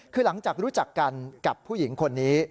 คือหลังจากรู้จักกันกับผู้หญิงคนนี้